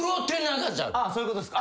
そういうことっすか。